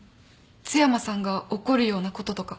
津山さんが怒るようなこととか。